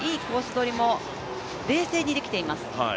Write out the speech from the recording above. どりも冷静にできています。